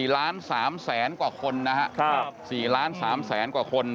๓แสนกว่าคนนะครับ๔ล้าน๓แสนกว่าคน